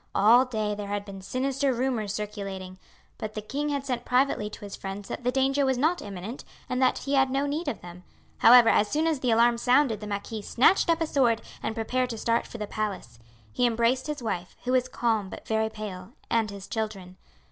All day there had been sinister rumours circulating, but the king had sent privately to his friends that the danger was not imminent and that he had no need of them; however, as soon as the alarm sounded the marquis snatched up a sword and prepared to start for the palace. He embraced his wife, who was calm but very pale, and his children.